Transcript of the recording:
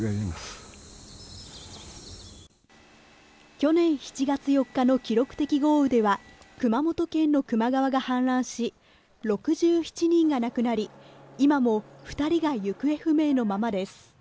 去年７月４日の記録的豪雨では熊本県の球磨川が氾濫し６７人が亡くなり、今も２人が行方不明のままです。